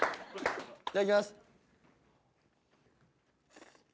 いただきます。